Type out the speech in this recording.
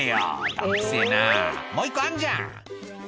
「鈍くせぇなもう１個あんじゃん」